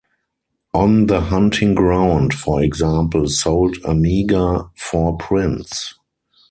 "On the Hunting Ground", for example, sold a meager four prints.